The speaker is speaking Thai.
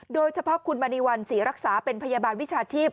โดยเฉพาะคุณมณีวันศรีรักษาเป็นพยาบาลวิชาชีพ